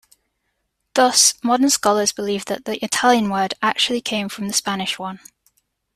Thus, modern scholars believe that the Italian word actually came from the Spanish one.